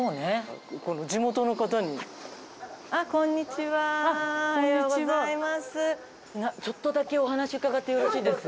ちょっとだけお話伺ってよろしいです？